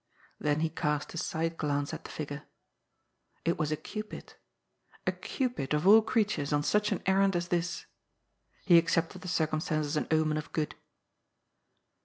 Then he cast a side glance at the figure. It was a Cupid. A Cupid, of all creatures, on such an errand as this! He accepted the circumstance as an omen of good.